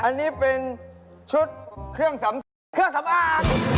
อันนี่เป็นชุดเครื่องสำเครื่องสำอาง